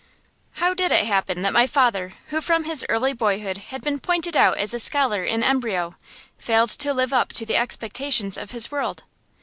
How did it happen that my father, who from his early boyhood had been pointed out as a scholar in embryo, failed to live up to the expectations of his world?